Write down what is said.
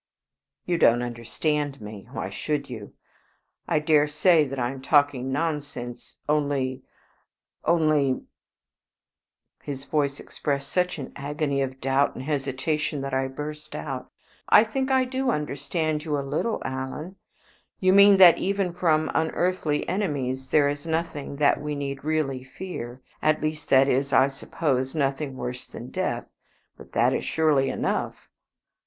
"You don't understand me. Why should you? I dare say that I am talking nonsense only only " His voice expressed such an agony of doubt and hesitation that I burst out "I think that I do understand you a little, Alan. You mean that even from unearthly enemies there is nothing that we need really fear at least, that is, I suppose, nothing worse than death. But that is surely enough!"